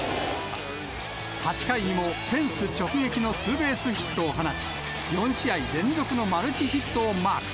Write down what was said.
８回にもフェンス直撃のツーベースヒットを放ち、４試合連続のマルチヒットをマーク。